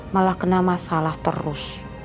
malah kena masalah terus